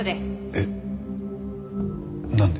えっなんで？